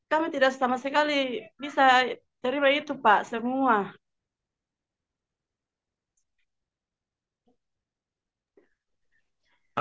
kami tidak sama sekali bisa terima itu pak semua